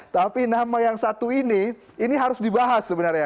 tapi nama yang satu ini ini harus dibahas sebenarnya